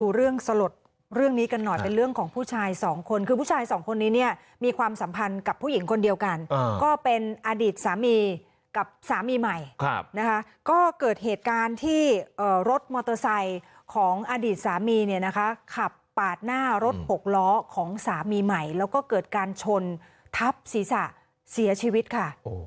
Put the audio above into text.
เรื่องสลดเรื่องนี้กันหน่อยเป็นเรื่องของผู้ชายสองคนคือผู้ชายสองคนนี้เนี่ยมีความสัมพันธ์กับผู้หญิงคนเดียวกันก็เป็นอดีตสามีกับสามีใหม่นะคะก็เกิดเหตุการณ์ที่รถมอเตอร์ไซค์ของอดีตสามีเนี่ยนะคะขับปาดหน้ารถหกล้อของสามีใหม่แล้วก็เกิดการชนทับศีรษะเสียชีวิตค่ะ